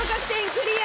クリア